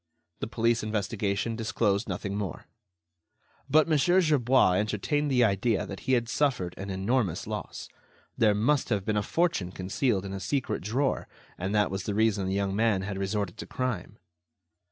The police investigation disclosed nothing more. But Mon. Gerbois entertained the idea that he had suffered an enormous loss. There must have been a fortune concealed in a secret drawer, and that was the reason the young man had resorted to crime.